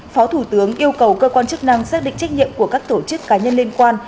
phó thủ tướng yêu cầu cơ quan chức năng xác định trách nhiệm của các tổ chức cá nhân liên quan